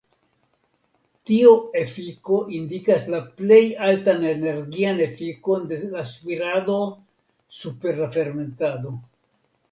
Tiu efiko indikas la plej altan energian efikon de la spirado super la fermentado.